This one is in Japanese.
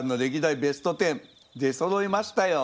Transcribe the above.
ベスト１０出そろいましたよ。